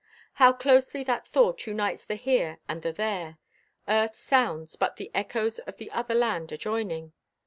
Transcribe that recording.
How closely that thought unites the here and the there. Earth sounds but the echoes of the other land adjoining!